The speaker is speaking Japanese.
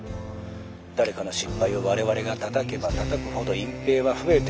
誰かの失敗を我々がたたけばたたくほど隠蔽は増えていく。